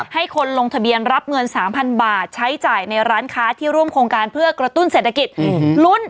ให้คนลงทะเบียนรับเงิน๓๐๐บาทใช้จ่ายในร้านค้าที่ร่วมโครงการเพื่อกระตุ้นเศรษฐกิจลุ้น